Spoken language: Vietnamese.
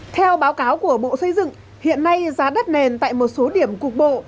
theo báo cáo của bộ xây dựng hiện nay giá đất nền tại một số điểm cục bộ